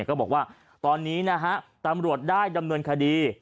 ก็บอกว่าตอนนี้นะฮะตำรวจได้ดำเนินคดี